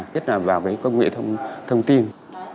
kết hợp vào công nghệ thông tin